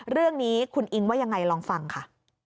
เรื่องนี้คุณอิงว่ายังไงลองฟังค่ะ